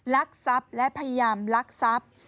ลักษัพท์และพยามลักษัพท์